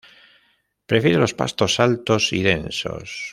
Prefiere los pastos altos y densos.